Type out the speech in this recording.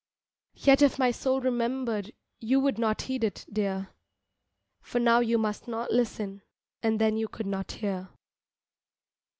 Yet if my soul remembered You would not heed it, dear, For now you must not listen, And then you could not hear.